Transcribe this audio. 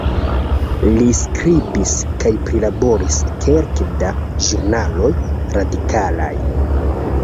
Li skribis kaj prilaboris kelke da ĵurnaloj radikalaj.